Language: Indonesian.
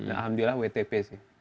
alhamdulillah wtp sih